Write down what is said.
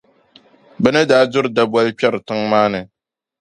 Bɛ ni daa duri daboli n-kpɛri tiŋ’ maa ni.